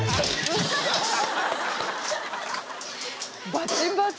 バチバチ。